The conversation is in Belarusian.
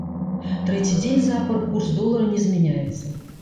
Трэці дзень запар курс долара не змяняецца.